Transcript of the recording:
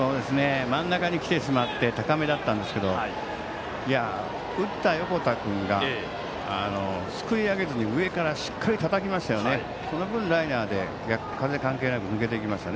真ん中に来てしまって高めだったんですが打った横田君がすくい上げずに上からしっかりたたきつけました。